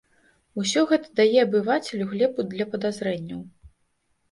Усё гэта дае абывацелю глебу для падазрэнняў.